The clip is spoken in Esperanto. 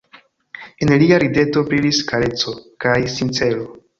En lia rideto brilis kareco kaj sincero.